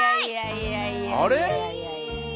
あれ？